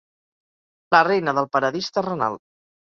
La reina del paradís terrenal.